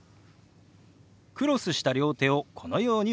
クロスした両手をこのように動かします。